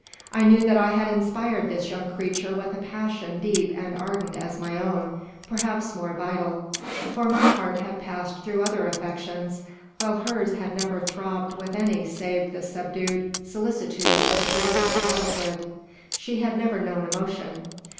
I knew that I had inspired this young creature with a passion deep and ardent as my own, perhaps more vital; for my heart had passed through other affections, while hers had never throbbed with any save the subdued solicitudes of a graceful childhood. She had never known emotion.